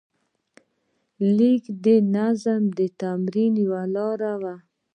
لیک د نظم د تمرین یوه لاره وه.